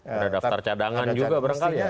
ada daftar cadangan juga berangkat ya